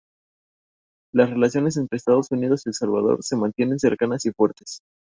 decidió que entonar esas obras en los campamentos